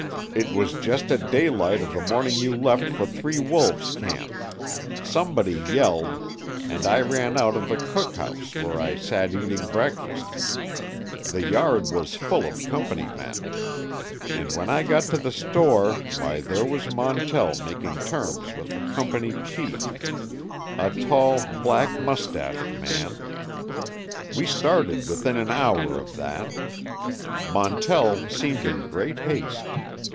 "It was just at daylight of the morning you left for Three Wolves camp. Somebody yelled, and I ran out of the cookhouse where I sat eating breakfast. The yard was full of Company men. And when I got to the store why there was Montell making terms with the Company chief; a tall, black mustached man. We started within an hour of that. Montell seemed in great haste.